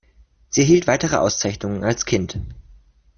Sie erhielt weitere Auszeichnungen als Kind.